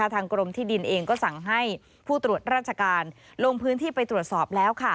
กรมที่ดินเองก็สั่งให้ผู้ตรวจราชการลงพื้นที่ไปตรวจสอบแล้ว